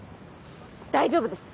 大丈夫です！